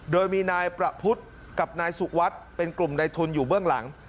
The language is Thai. โดยมีนายประพุทธกับนายสุวัสดิ์เป็นกลุ่มในทุนอยู่เบื้องหลัง